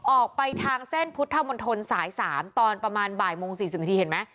ออกไปทางเส้นพุทธมนตรสาย๓ตอนประมาณบ่ายโมง๔๐นาทีเห็นไหม